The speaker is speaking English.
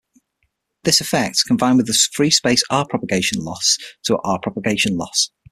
This effect, combined with the free-space r propagation loss to a r propagation loss.